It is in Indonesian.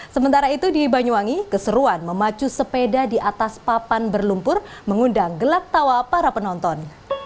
sementara itu di banyuwangi keseruan memacu sepeda di atas papan berlumpur mengundang gelak tawa para penonton